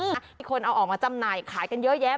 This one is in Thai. มีคนเอาออกมาจำหน่ายขายกันเยอะแยะ